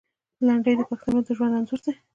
لنډۍ د پښتنو د ژوند انځور دی.